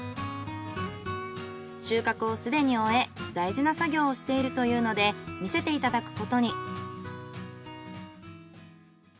収穫をすでに終え大事な作業をしているというので見せていただくことに。